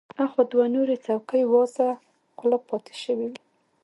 اخوا دوه نورې څوکۍ وازه خوله پاتې شوې وې.